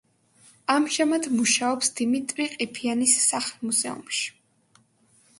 ამჟამად მუშაობს დიმიტრი ყიფიანის სახლ-მუზეუმში.